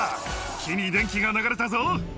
木に電気が流れたぞ。